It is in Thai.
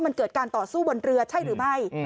มันเกิดการต่อสู้บนเรือใช่หรือไม่